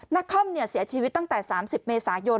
นครเสียชีวิตตั้งแต่๓๐เมษายน